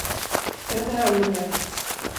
Jag tar hand om det.